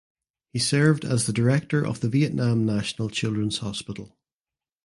He served as the director of the Vietnam National Children’s Hospital.